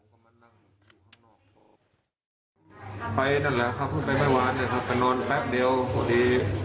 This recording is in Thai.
ผมไม่ได้ไปก่อกวันครับไปขอข้าวไปเดินเที่ยวเล่นด้วย